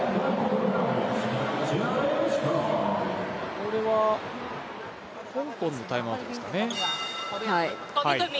これは香港のタイムアウトですかね。